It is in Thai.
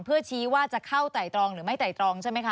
เพื่อชี้ว่าจะเข้าไต่ตรองหรือไม่ไต่ตรองใช่ไหมคะ